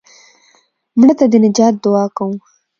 مړه ته د نجات دعا کوو